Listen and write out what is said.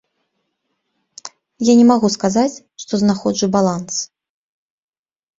Я не магу сказаць, што знаходжу баланс.